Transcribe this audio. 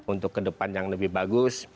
untuk ke depan yang lebih bagus